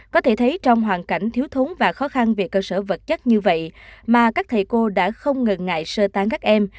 có thể thấy trong hoàn cảnh thiếu thúng và khó khăn về cơ sở vật chất như vậy mà các thầy cô đã không ngừng ngại sơ tán các em